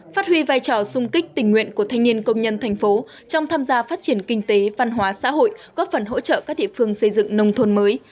phát huy vai trò sung kích tình nguyện của thanh niên công nhân thành phố trong tham gia phát triển kinh tế văn hóa xã hội góp phần hỗ trợ các địa phương xây dựng nông thôn mới